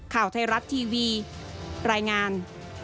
ข่าวไทยรัฐทีวีรายงาน